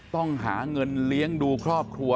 ต้องหาเงินเลี้ยงดูครอบครัว